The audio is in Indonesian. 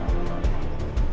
sambil nunggu kita